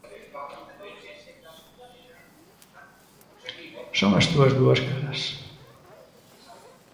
Son as túas dúas caras?